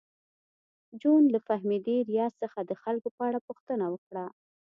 جون له فهمیدې ریاض څخه د خلکو په اړه پوښتنه وکړه